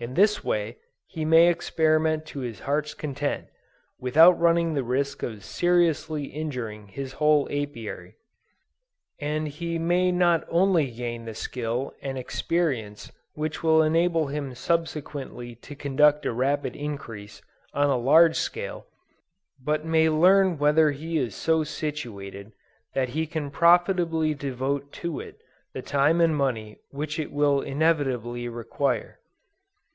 In this way, he may experiment to his heart's content, without running the risk of seriously injuring his whole Apiary, and he may not only gain the skill and experience which will enable him subsequently to conduct a rapid increase, on a large scale, but may learn whether he is so situated that he can profitably devote to it the time and money which it will inevitably require.